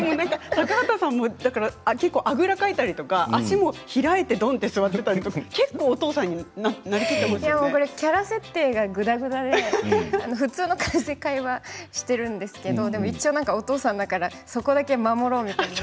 高畑さんもあぐらかいたり足も開いてドーンと座っていたり結構、お父さんにキャラ設定がぐだぐだで普通の感じで会話しているんですけど一応、お父さんだからそこだけは守ろうみたいな。